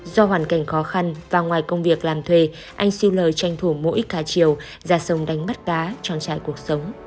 do hoàn cảnh khó khăn và ngoài công việc làm thuê anh siu lờ tranh thủ mỗi khá chiều ra sông đánh bắt đá trong trại cuộc sống